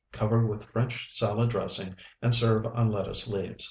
Cover with French salad dressing, and serve on lettuce leaves.